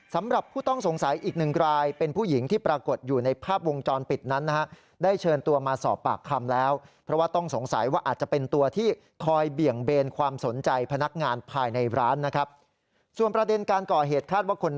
สำหรับผู้ต้องสงสัยอีกหนึ่งรายเป็นผู้หญิงที่ปรากฏอยู่ในภาพวงจรปิดนั้นนะฮะได้เชิญตัวมาสอบปากคำแล้วเพราะว่าต้องสงสัยว่าอาจจะเป็นตัวที่คอยเบี่ยงเบนความสนใจพนักงานภายในร้านนะครับส่วนประเด็นการก่อเหตุคาดว่าคน